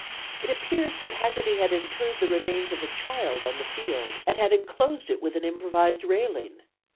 It appears that Haggerty had interred the remains of a child on the field and had enclosed it with an improvised railing.